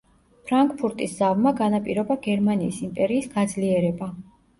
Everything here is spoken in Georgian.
ფრანკფურტის ზავმა განაპირობა გერმანიის იმპერიის გაძლიერება.